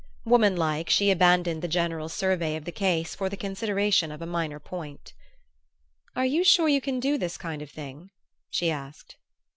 Womanlike, she abandoned the general survey of the case for the consideration of a minor point. "Are you sure you can do that kind of thing?" she asked.